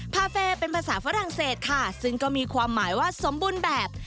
แฟเป็นภาษาฝรั่งเศสค่ะซึ่งก็มีความหมายว่าสมบูรณ์แบบ